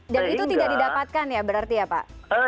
dan itu tidak didapatkan ya berarti ya pak